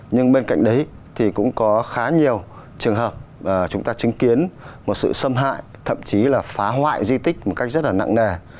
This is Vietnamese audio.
nhưng bên cạnh đấy thì cũng có khá nhiều trường hợp chúng ta chứng kiến một sự xâm hại thậm chí là phá hoại di tích một cách rất là nặng nề